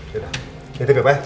ya udah yaudah beba ya